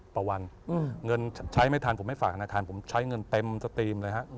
ต่อวันเงินใช้ไม่ทันผมไม่ฝากธนาคารผมใช้เงินเต็มสตรีมเลยฮะ